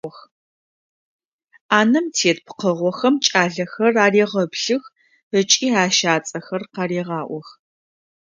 Ӏанэм тет пкъыгъохэм кӏалэхэр арегъэплъых ыкӏи ащ ацӏэхэр къарегъаӏох.